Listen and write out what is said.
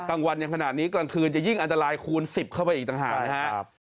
กลางวันยังขนาดนี้กลางคืนจะยิ่งอันตรายคูณ๑๐เข้าไปอีกต่างหากนะครับ